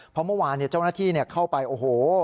เพราะเมื่อวานเจ้าหน้าที่เข้าไปโอ้โห